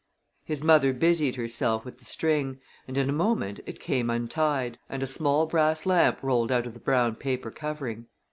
His mother busied herself with the string, and in a moment it came untied and a small brass lamp rolled out of the brown paper covering.